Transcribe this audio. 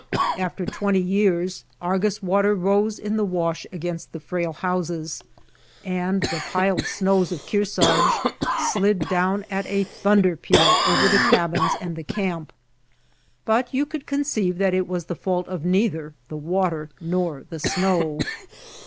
After twenty years Argus water rose in the wash against the frail houses, and the piled snows of Kearsarge slid down at a thunder peal over the cabins and the camp, but you could conceive that it was the fault of neither the water nor the snow.